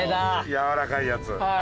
やわらかいやつ。